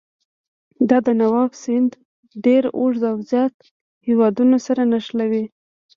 د دانوب سیند ډېر اوږد او زیات هېوادونه سره نښلوي.